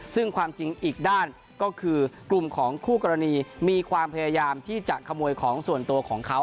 ซึ่งความจริงอีกด้านก็คือกลุ่มของคู่กรณีมีความพยายามที่จะขโมยของส่วนตัวของเขา